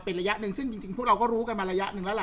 เป็นระยะหนึ่งซึ่งจริงพวกเราก็รู้กันมาระยะหนึ่งแล้วล่ะ